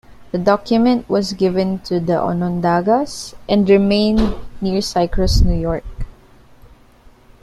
The document was given to the Onondagas and remains near Syracuse, New York.